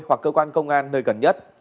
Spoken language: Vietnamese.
hoặc cơ quan công an nơi gần nhất